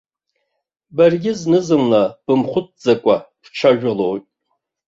Баргьы зны-зынла бымхәыцӡакәа бцәажәалоит.